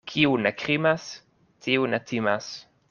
Kiu ne krimas, tiu ne timas.